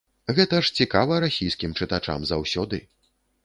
Гэта ж цікава расійскім чытачам заўсёды.